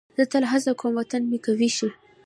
زه تل هڅه کوم وطن مې قوي شي.